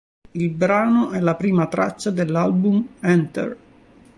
Il brano è la prima traccia dell'album "Enter".